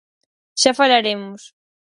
Xa falaremos.